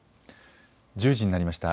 １０時になりました。